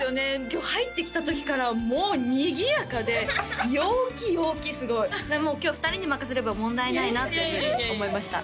今日入ってきた時からもうにぎやかで陽気陽気すごい今日２人に任せれば問題ないなっていうふうに思いました